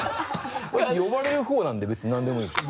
私呼ばれるほうなんで別に何でもいいんです。